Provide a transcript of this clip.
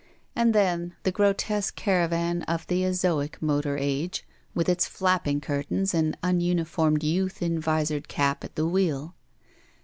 And then the grotesque caravan of the Aioic motor age, with its flapping curtains and ununif ormed youth in visored cap at the wheel.